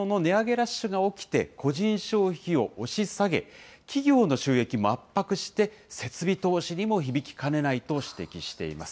ラッシュが起きて、個人消費を押し下げ、企業の収益も圧迫して、設備投資にも響きかねないと指摘しています。